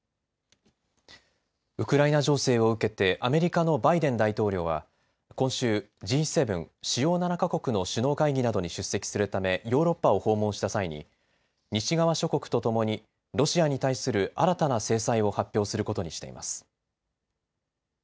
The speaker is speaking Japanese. ウクライナ情勢を受けてアメリカのバイデン大統領は今週、Ｇ７・主要７か国の首脳会議などに出席するためヨーロッパを訪問した際に西側諸国とともにロシアに対する新たな制裁を発表することにしています。